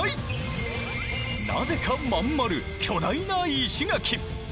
なぜかまん丸巨大な石垣！